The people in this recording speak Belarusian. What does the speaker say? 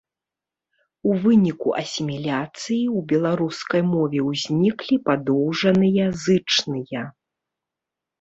У выніку асіміляцыі ў беларускай мове узніклі падоўжаныя зычныя.